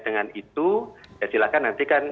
dengan itu ya silakan nanti kan